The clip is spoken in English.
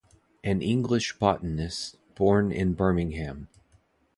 An English botanist born in Birmingham.